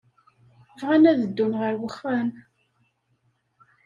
Bɣan ad ddun ɣer wexxam.